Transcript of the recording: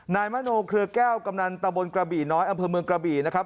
นายมโนเครือแก้วกำนันตะบนกระบี่น้อยอำเภอเมืองกระบี่นะครับ